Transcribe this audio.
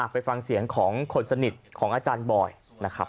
ไปฟังเสียงของคนสนิทของอาจารย์บอยนะครับ